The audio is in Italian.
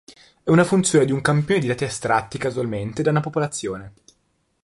È una funzione di un campione di dati estratti casualmente da una popolazione.